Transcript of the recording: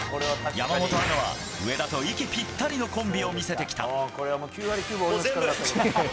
山本アナは上田と息ぴったりのコンビを見せてきた。